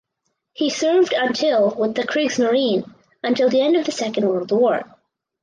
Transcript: He served until with the Kriegsmarine until the end of the Second World War.